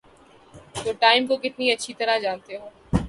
تم ٹام کو کتنی اچھی طرح جانتے ہو؟